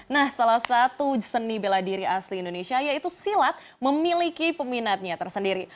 nah salah satu seni bela diri asli indonesia yaitu silat memiliki peminatnya tersendiri